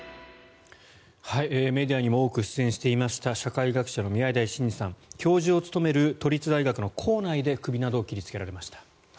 メディアにも多く出演していました社会学者の宮台真司さん教授を務める都立大学の構内で首などを切りつけられました。